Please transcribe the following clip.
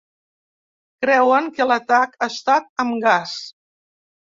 Creuen que l’atac ha estat amb gas.